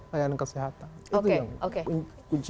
layanan kesehatan itu yang kunci